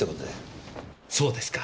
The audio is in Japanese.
そうですか。